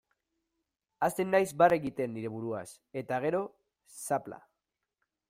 Hasten naiz barre egiten nire buruaz, eta gero, zapla.